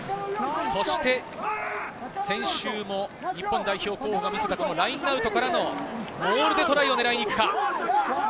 そして先週も日本代表候補が見せたラインアウトからのモールでトライを狙いに行くか？